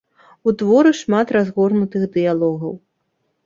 У творы шмат разгорнутых дыялогаў.